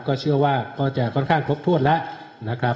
ก็เชื่อว่าก็จะค่อนข้างครบถ้วนแล้วนะครับ